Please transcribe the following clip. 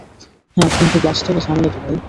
হা কিন্তু বাস্তবে ঝামেলা তো ভাই।